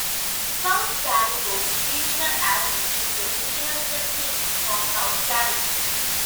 South Cariboo Regional Airport is the regional facility for the South Cariboo.